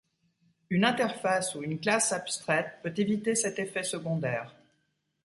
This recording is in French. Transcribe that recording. Une interface ou une classe abstraite peut éviter cet effet secondaire.